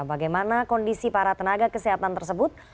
bagaimana kondisi para tenaga kesehatan tersebut